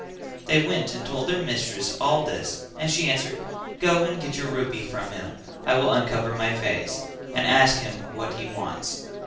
They went and told their mistress all this and she answered "Go and get your rupee from him, I will uncover my face; and ask him what he wants."